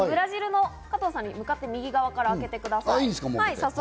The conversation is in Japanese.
加藤さん、向かって右側から開けてください。